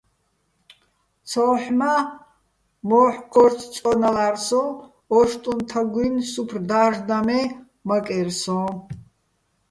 ცოჰ̦ მა́, მოჰ̦ ქორთო̆ წო́ნალარ სოჼ ოშტუჼ თაგუჲნი̆ სუფრ და́რჟდაჼ მე მაკერ სოჼ.